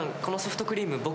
このソフトクリーム